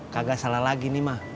kagak salah lagi nih mah